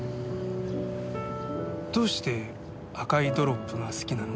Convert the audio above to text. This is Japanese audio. どうして赤いドロップが好きなの？